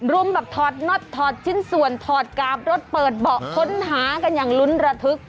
รุมแบบถอดน็อตถอดชิ้นส่วนถอดกาบรถเปิดเบาะค้นหากันอย่างลุ้นระทึก